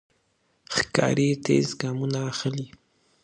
ښکاري تېز ګامونه اخلي.